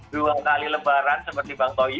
dua kali lebaran seperti bang toi